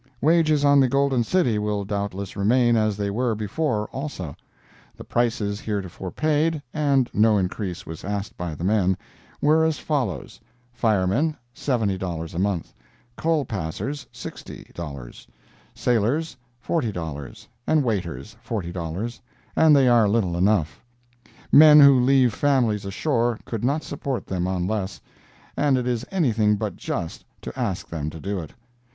Wages on the Golden City will doubtless remain as they were before, also. The prices heretofore paid (and no increase was asked by the men,) were as follows: firemen, $70 a month; coal passers, $60; sailors, $40, and waiters, $40; and they are little enough. Men who leave families ashore, could not support them on less, and it is anything but just to ask them to do it.